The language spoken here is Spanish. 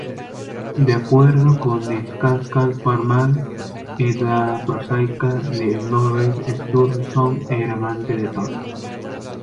De acuerdo con "Skáldskaparmál", "Edda prosaica" de Snorri Sturluson, era la amante de Thor.